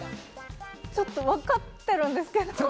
ちょっとわかってるんですけど。